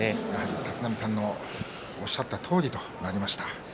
立浪さんのおっしゃったとおりになりました。